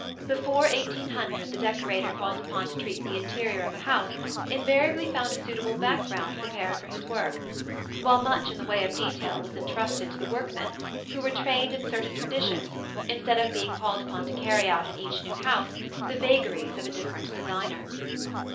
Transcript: Before 1800 the decorator called upon to treat the interior of a house invariably found a suitable background prepared for his work, while much in the way of detail was intrusted to the workmen, who were trained in certain traditions instead of being called upon to carry out in each new house the vagaries of a different designer.